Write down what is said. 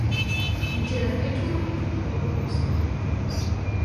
Niedziela wieczór i humor popsuty.